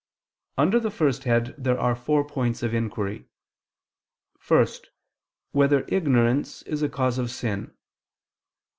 Under the first head, there are four points of inquiry: (1) Whether ignorance is a cause of sin?